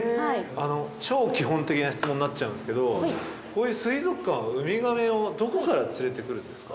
超基本的な質問になっちゃうんすけどこういう水族館ウミガメをどこから連れてくるんですか？